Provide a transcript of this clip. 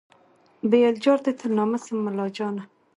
ویل جار دي تر نامه سم مُلاجانه